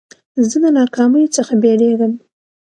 زه د ناکامۍ څخه بېرېږم.